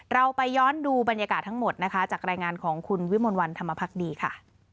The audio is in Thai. เราไปย้อนดูบรรยากาศทั้งหมดนะคะจากรายงานของคุณวิมลวันธรรมพักดีค่ะ